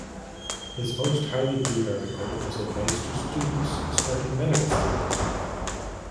His most highly viewed article is advice to students starting medical school.